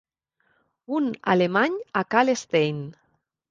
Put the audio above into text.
Un alemany a cal Stein.